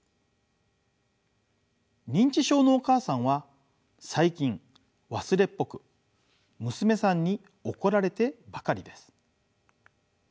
認知症のお母さんは最近忘れっぽく娘さんに怒られてばかりです。